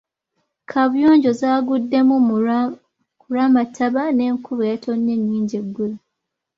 Kaabuyonjo zaaguddemu ku lw'amataba n'enkuba eyatonnye ennyingi eggulo.